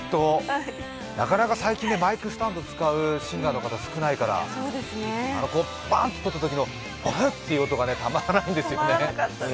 なかなか最近マイクスタンドを使うシンガーの方は少ないからバンって取ったときのバンって音がたまらなかったです。